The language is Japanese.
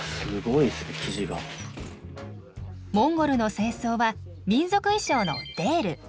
モンゴルの正装は民族衣装のデール。